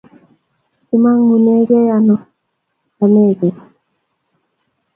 kimangunee ano agei